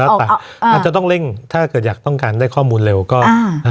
อาจจะต้องเร่งถ้าเกิดอยากต้องการได้ข้อมูลเร็วก็อ่า